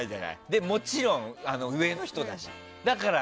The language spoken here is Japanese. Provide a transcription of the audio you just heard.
で、もちろん上の人だし。